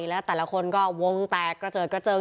แล้วแต่ละคนก็วงแตกกระเจิดกระเจิง